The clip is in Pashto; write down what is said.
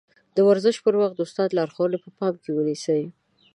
د ورزش پر وخت د استاد لارښوونې په پام کې ونيسئ.